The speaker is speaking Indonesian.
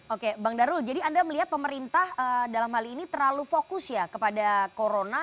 oke bang darul jadi anda melihat pemerintah dalam hal ini terlalu fokus ya kepada corona